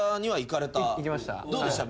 行きました。